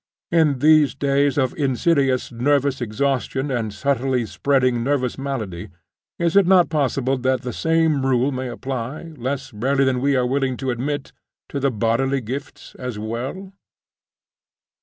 In these days of insidious nervous exhaustion and subtly spreading nervous malady, is it not possible that the same rule may apply, less rarely than we are willing to admit, to the bodily gifts as well?